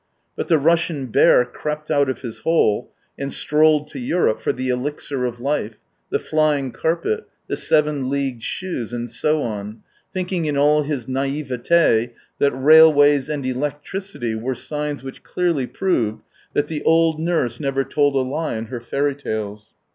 But the Russian bear crept out of his hole and strolled to Europe for the elixir of life, the flying carpet, the seven leagued shoes, and so on, thinking in all his naivet6 that railways and electricity were signs which clearly proved that the old nurse never told a lie in her fairy tales.